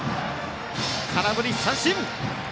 空振り三振！